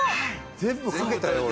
全部かけたよ俺。